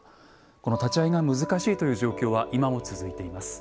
この立ち合いが難しいという状況は今も続いています。